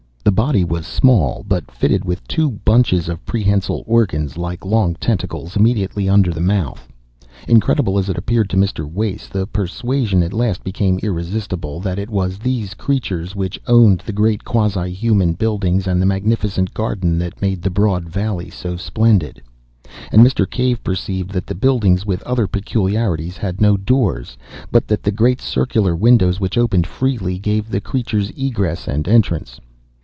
The body was small, but fitted with two bunches of prehensile organs, like long tentacles, immediately under the mouth. Incredible as it appeared to Mr. Wace, the persuasion at last became irresistible, that it was these creatures which owned the great quasi human buildings and the magnificent garden that made the broad valley so splendid. And Mr. Cave perceived that the buildings, with other peculiarities, had no doors, but that the great circular windows, which opened freely, gave the creatures egress and entrance.